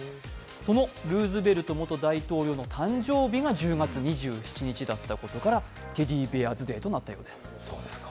そのルーズベルト元大統領の誕生日が１０月２７日だったことからテディベアズ・デーとなったようです。